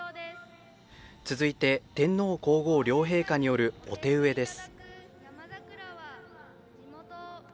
続いて、天皇皇后両陛下によるお手植えです。